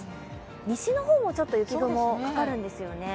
西の方もちょっと雪雲かかるんですよね。